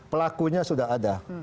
pelakunya sudah ada